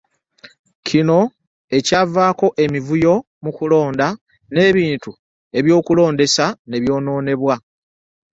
Kino ekyavaako emivuyo mu kulonda n'ebintu eby'okulondesa nebyonoonebwa,